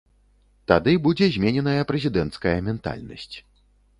Тады будзе змененая прэзідэнцкая ментальнасць.